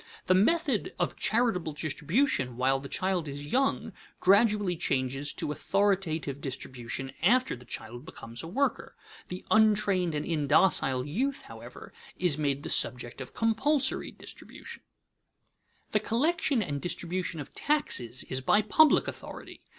The method of charitable distribution while the child is young gradually changes to authoritative distribution after the child becomes a worker. The untrained and indocile youth, however, is made the subject of compulsory distribution. [Sidenote: In much governmental action] The collection and distribution of taxes is by public authority.